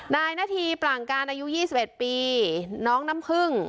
นายนาธีปรั่งการอายุยี่สิบเอ็ดปีน้องน้ำพึ่ง